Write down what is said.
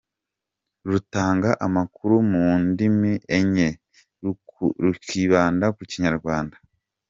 com rutanga amakuru mu ndimi enye rukibanda ku Kinyarwanda,.